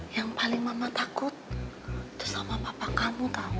yang paling mama takut itu sama papa kamu tau